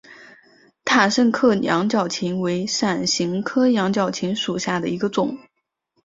塔什克羊角芹为伞形科羊角芹属下的一个种。